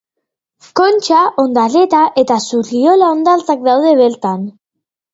Kontxa, Ondarreta eta Zurriola hondartzak daude bertan.